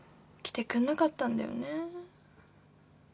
来てくんなかったんだよね。